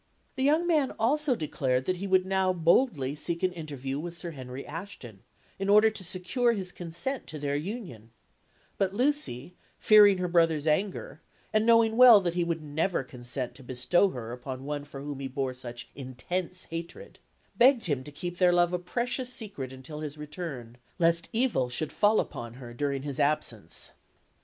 The young man also declared that he would now boldly seek an interview with Sir Henry Ashton, in order to secure his consent to their union; but Lucy, fearing her brother's anger, and knowing well that he would never consent to bestow her upon one for whom he bore such intense hatred, begged him to keep their love a precious secret until his return, lest evil should fall upon her during his absence.